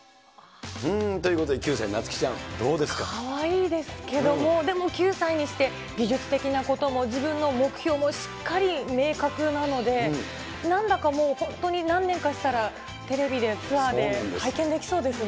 ということで９歳、かわいいですけども、でも９歳にして、技術的なことも、自分の目標もしっかり明確なので、なんだかもう本当に、何年かしたら、テレビで、ツアーで拝見できそうですね。